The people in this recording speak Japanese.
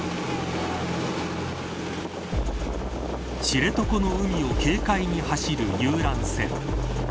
知床の海を軽快に走る遊覧船。